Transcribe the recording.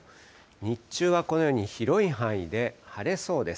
日中はこのように広い範囲で晴れそうです。